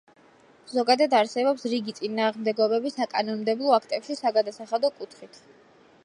ზოგადად, არსებობს რიგი წინააღმდეგობები საკანონმდებლო აქტებში საგადასახადო კუთხით.